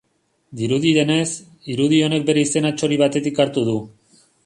Dirudienez, irudi honek bere izena txori batetik hartu du.